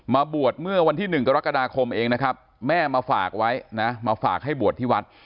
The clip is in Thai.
มาบวชเมื่อวันที่๑กรกฎาคมเองแม่มาฝากให้บวชที่วัด